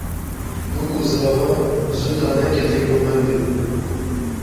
Bûk û zava zû daneketin govendê.